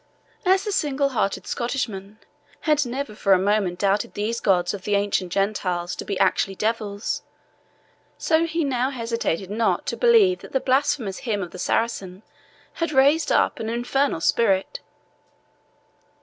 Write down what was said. As the single hearted Scottishman had never for a moment doubted these gods of the ancient Gentiles to be actually devils, so he now hesitated not to believe that the blasphemous hymn of the Saracen had raised up an infernal spirit.